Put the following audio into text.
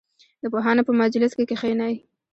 د پوهانو په مجلس کې کښېنئ.